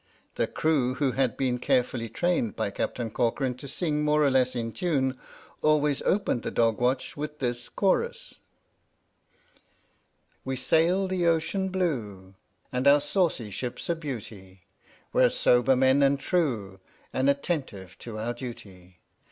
The crew, who had been carefully 7 H.M.S. "PINAFORE trained by Captain Corcoran to sing more or less in tune, always opened the dog watch with this chorus : We sail the ocean blue, And our saucy ship's a beauty! We're sober men and true And attentive to our duty.